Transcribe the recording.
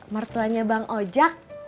mertuanya bang ojak